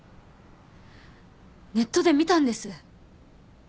ネットで見たんです。